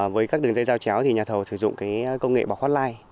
với các đường dây giao chéo thì nhà thầu sử dụng công nghệ bọc hotline